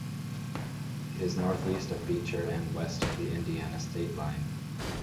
It is northeast of Beecher and west of the Indiana state line.